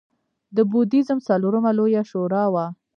د بودیزم څلورمه لویه شورا وه